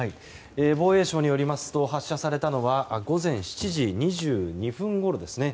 防衛省によりますと発射されたのは午前７時２２分ごろですね。